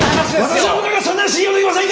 私の部下がそんなに信用できませんか！